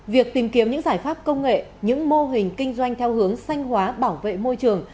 việc tìm kiếm những giải pháp công nghệ những mô hình kinh doanh theo hướng sanh hóa bảo vệ môi trường